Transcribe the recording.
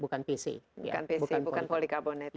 bukan pc bukan polikarbonat itu